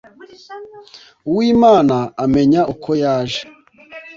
uwimana amenya uko yaje